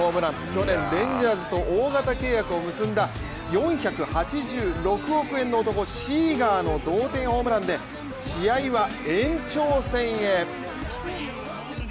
去年レンジャーズと大型契約を結んだ４８６億円の男・シーガーの同点ホームランで試合は延長戦へ。